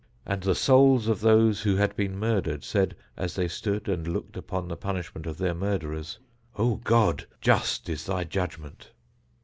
And the souls of those who had been murdered said, as they stood and looked upon the punishment of their murderers, O God, just is thy judgment.